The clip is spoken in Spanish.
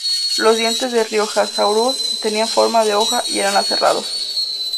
Los dientes de"Riojasaurus" tenían forma de hoja y eran aserrados.